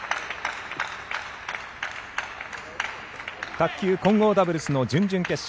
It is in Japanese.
卓球混合ダブルスの準々決勝。